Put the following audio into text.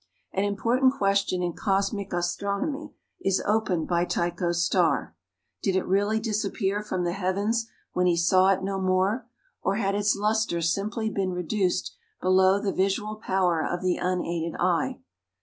An important question in cosmic astronomy is opened by Tycho's star. Did it really disappear from the heavens when he saw it no more, or had its lustre simply been reduced below the visual power of the unaided eye?